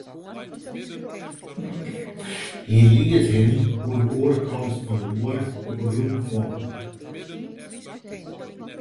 Hy liet him oan 'e oare kant fan de muorre op 'e grûn falle.